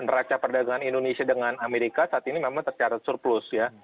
neraca perdagangan indonesia dengan amerika saat ini memang tercatat surplus ya